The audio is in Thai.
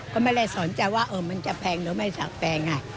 ก็ไม่ได้สนใจว่ามันจะแพงหรือไม่ทราบแต่ง่าย